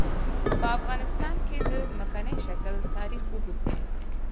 په افغانستان کې د ځمکنی شکل تاریخ اوږد دی.